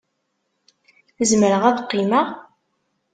Zemreɣ ad qqimeɣ?